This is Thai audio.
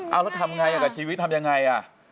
เอาแล้วทำไงกับชีวิตทำยังไง